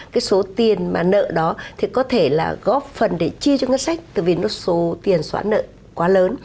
cái số tiền mà nợ đó thì có thể là góp phần để chi cho ngân sách từ vì nó số tiền xóa nợ quá lớn